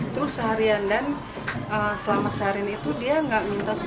terus seharian dan selama seharian itu dia nggak minta suhu